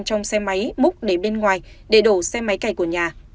trong xe máy múc để bên ngoài để đổ xe máy cày của nhà